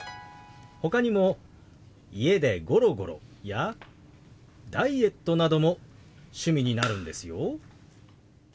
ほかにも「家でゴロゴロ」や「ダイエット」なども趣味になるんですよ。